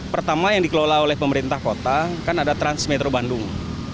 pertama yang dikelola oleh pemerintah kota kan ada transmetro bandung